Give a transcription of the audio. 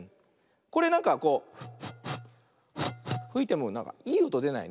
これなんかこうふいてもなんかいいおとでないね。